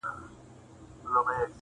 د شنو طوطیانو د کلونو کورګی؛